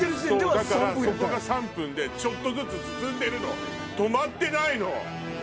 だからそこが３分でちょっとずつ進んでるの止まってないの。